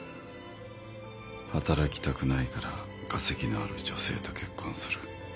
働きたくないから稼ぎのある女性と結婚する。